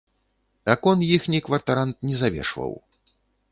Акон іхні кватарант не завешваў.